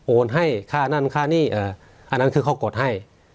ให้ค่านั่นค่านี่อันนั้นคือเขากดให้